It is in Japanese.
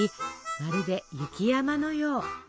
まるで雪山のよう。